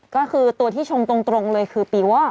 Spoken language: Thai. ก็คือตัวที่ชงตรงเลยคือปีวอก